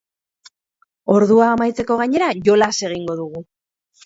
Ordua amaitzeko, gainera, jolas egingo dugu!